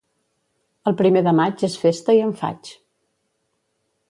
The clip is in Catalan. El primer de maig és festa i en faig.